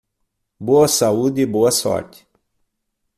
Boa saúde e boa sorte